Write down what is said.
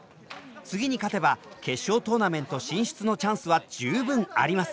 次に勝てば決勝トーナメント進出のチャンスは十分あります。